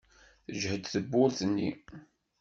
Tejhed tewwurt-nni.